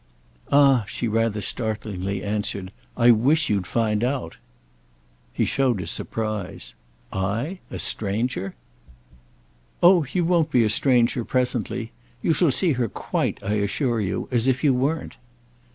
"Ah," she rather startlingly answered, "I wish you'd find out!" He showed his surprise. "I? A stranger?" "Oh you won't be a stranger—presently. You shall see her quite, I assure you, as if you weren't."